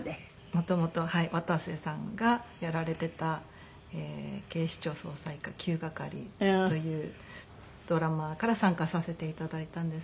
元々渡瀬さんがやられていた『警視庁捜査一課９係』というドラマから参加させて頂いたんですけど。